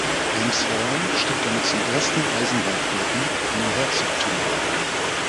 Elmshorn stieg damit zum ersten Eisenbahnknoten in den Herzogtümern auf.